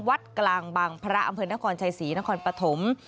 วัดกลางบางพระอำเภอนครชัยศรีนครปฐม